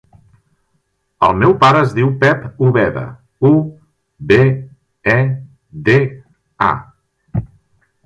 El meu pare es diu Pep Ubeda: u, be, e, de, a.